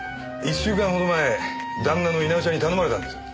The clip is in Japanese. １週間ほど前旦那の稲尾ちゃんに頼まれたんです。